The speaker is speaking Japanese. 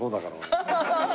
ハハハハ。